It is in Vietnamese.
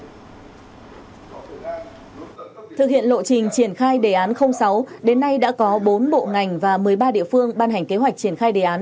thực hiện lộ trình triển khai đề án sáu đến nay đã có bốn bộ ngành và một mươi ba địa phương ban hành kế hoạch triển khai đề án